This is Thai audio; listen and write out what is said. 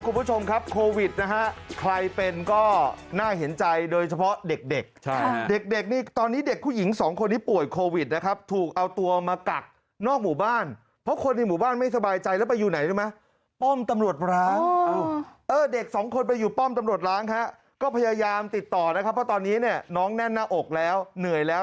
คุณผู้ชมครับโควิดนะฮะใครเป็นก็น่าเห็นใจโดยเฉพาะเด็กเด็กใช่เด็กเด็กนี่ตอนนี้เด็กผู้หญิงสองคนที่ป่วยโควิดนะครับถูกเอาตัวมากักนอกหมู่บ้านเพราะคนในหมู่บ้านไม่สบายใจแล้วไปอยู่ไหนรู้ไหมป้อมตำรวจร้างเออเด็กสองคนไปอยู่ป้อมตำรวจร้างฮะก็พยายามติดต่อนะครับเพราะตอนนี้เนี่ยน้องแน่นหน้าอกแล้วเหนื่อยแล้ว